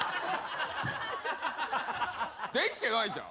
できてないじゃん！